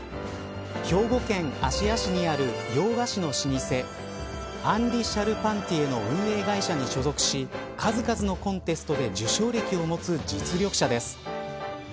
兵庫県芦屋市にある洋菓子の老舗アンリ・シャルパンティエの運営会社に所属し数々のコンテストで受賞歴を持つ実力者です。